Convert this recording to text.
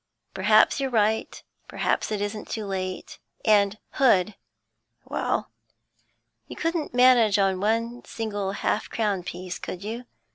Perhaps you're right; perhaps it isn't too late. And, Hood ' 'Well?' 'You couldn't manage one single half crown piece, could you?